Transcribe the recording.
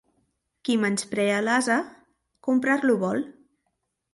Qui menysprea l'ase, comprar-lo vol.